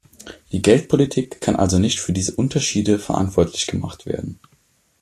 Die Geldpolitik kann also nicht für diese Unterschiede verantwortlich gemacht werden.